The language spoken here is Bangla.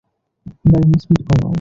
গাড়ির স্পিড কমাও।